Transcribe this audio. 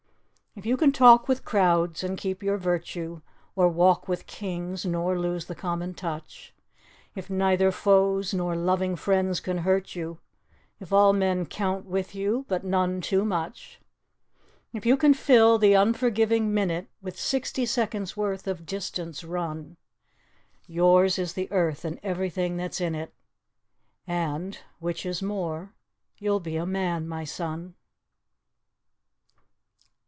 If you can talk with crowds and keep your virtue, Or walk with Kings nor lose the common touch; If neither foes nor loving friends can hurt you, If all men count with you, but none too much; If you can fill the unforgiving minute With sixty seconds' worth of distance run, Yours is the Earth and everything that's in it, And which is more you'll be a Man, my son!